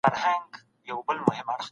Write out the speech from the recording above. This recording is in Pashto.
دغه ونه ډېره لویه سوې ده.